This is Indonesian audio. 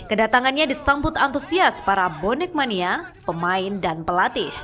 kedatangannya disambut antusias para bonek mania pemain dan pelatih